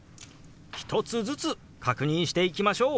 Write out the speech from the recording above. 一つずつ確認していきましょう。